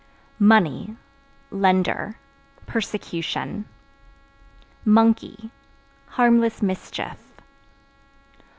Money Lender Persecution. Monkey Harmless mischief.